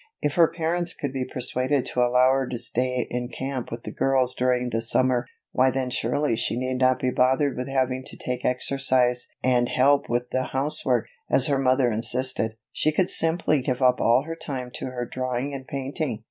If her parents could be persuaded to allow her to stay in camp with the girls during the summer, why then surely she need not be bothered with having to take exercise and help with the housework, as her mother insisted, she could simply give up all her time to her drawing and painting.